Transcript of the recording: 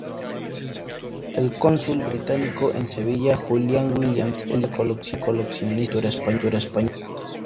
El cónsul británico en Sevilla, Julian Williams, era coleccionista de pintura española.